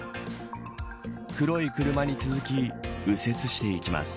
黒い車に続き右折していきます。